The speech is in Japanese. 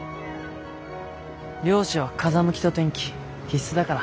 漁師は風向きと天気必須だから。